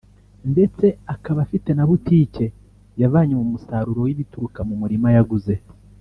ndetse akaba afite na butike yavanye mu musaruro w’ibituruka mu murima yaguze